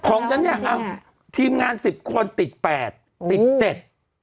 ของฉันเนี้ยอ้าวทีมงานสิบคนติดแปดติดเจ็ด